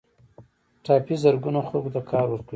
ټاپي زرګونه خلکو ته کار ورکوي